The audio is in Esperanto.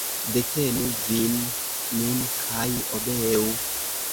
Detenu vin nun kaj obeu.